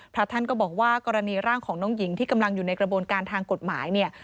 พระท่านก็บอกว่ากรณีร่างของน้องหญิงที่กำลังอยู่ในกระบวนการทางกฎหมายเนี่ย